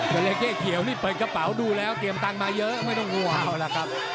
เฮเลเก้เขียวเปิดกระเป๋าดูแล้วเกรียมตังค์มาเยอะไม่ต้องห่วง